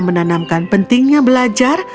menanamkan pentingnya belajar